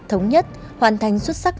thống nhất hoàn thành xuất sắc